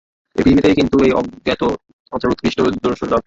এই পৃথিবীতেই কিন্তু ঐ অজ্ঞাত বস্তুর উৎকৃষ্ট দর্শনলাভ হতে পারে।